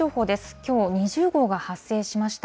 きょう、２０号が発生しました。